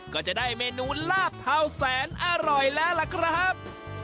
ก็จะได้เมนูลาบเทาแสนอร่อยแล้วล่ะครับ